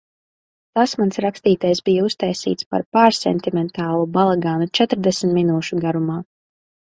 Tas mans rakstītais bija uztaisīts par pārsentimentālu balagānu četrdesmit minūšu garumā.